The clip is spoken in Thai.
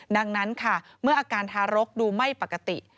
ดังนั้นค่ะเมื่ออาการทารกดูไม่ปกติ